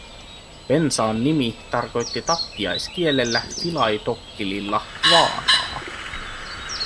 Pensaan nimi tarkoitti tappiaiskielellä, filaitokkililla, vaaraa.